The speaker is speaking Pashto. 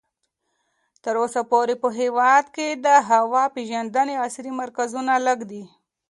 تر اوسه پورې په هېواد کې د هوا پېژندنې عصري مرکزونه لږ دي.